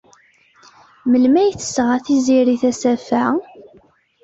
Melmi ay d-tesɣa Tiziri tasafa-a?